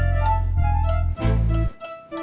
ke dua k enerjay